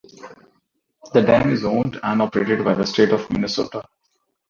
The dam is owned and operated by the state of Minnesota.